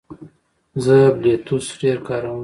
زه بلوتوث ډېر کاروم.